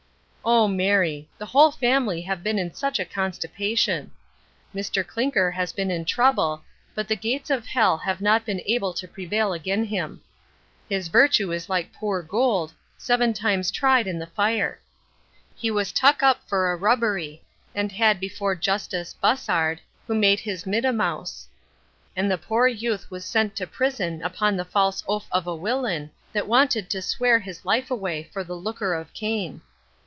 O Mary! the whole family have been in such a constipation! Mr Clinker has been in trouble, but the gates of hell have not been able to prevail again him. His virtue is like poor gould, seven times tried in the fire. He was tuck up for a rubbery, and had before gustass Busshard, who made his mittamouse; and the pore youth was sent to prison upon the false oaf of a willian, that wanted to sware his life away for the looker of cain.